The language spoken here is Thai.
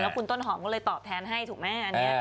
คุณต้นหอมก็เลยตอบแทนให้ถูกไหมอันนี้